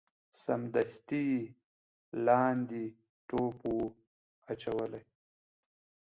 سمدستي یې لاندي ټوپ وو اچولی